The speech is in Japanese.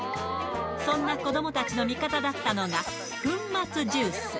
そんな子どもたちの味方だったのが、粉末ジュース。